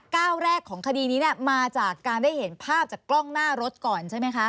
ก้าวแรกของคดีนี้มาจากการได้เห็นภาพจากกล้องหน้ารถก่อนใช่ไหมคะ